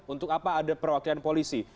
untuk apa ada perwakilan polisi